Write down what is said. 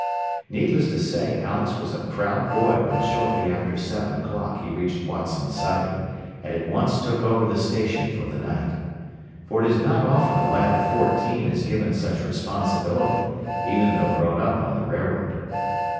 Needless to say Alex was a proud boy when shortly after seven o'clock he reached Watson Siding, and at once took over the station for the night. For it is not often a lad of fourteen is given such responsibility, even though brought up on the railroad.